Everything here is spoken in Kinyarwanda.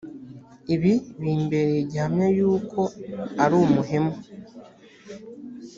ibi bimbereye gihamya yuko ari umuhemu